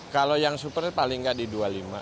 kalau yang super paling nggak di dua puluh lima